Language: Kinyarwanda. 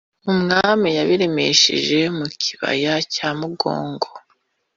Umwami yabiremeshereje mu kibaya cya mugogo